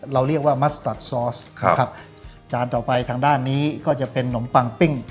เราเรียกว่ามัสตัดซอสครับจานต่อไปทางด้านนี้ก็จะเป็นนมปังปิ้ง